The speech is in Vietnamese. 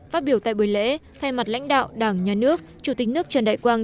phát biểu tại buổi lễ thay mặt lãnh đạo đảng nhà nước chủ tịch nước trần đại quang